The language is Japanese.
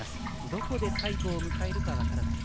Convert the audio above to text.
どこで最後を迎えるか分からない。